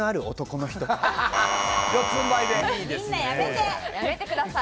みんな、やめてください。